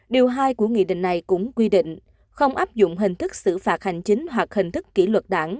điều hai của nghị định này cũng quy định không áp dụng hình thức xử phạt hành chính hoặc hình thức kỷ luật đảng